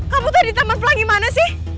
kamu tadi di taman pelangi mana sih